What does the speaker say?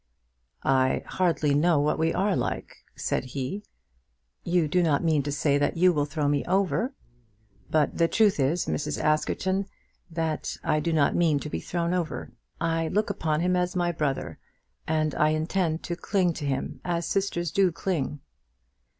"I hardly know what we are like," said he. "You do not mean to say that you will throw me over? But the truth is, Mrs. Askerton, that I do not mean to be thrown over. I look upon him as my brother, and I intend to cling to him as sisters do cling."